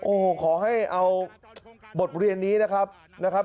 โอ้โหขอให้เอาบทเรียนนี้นะครับ